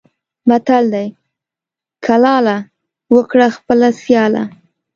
متل دی: کلاله! وکړه خپله سیاله.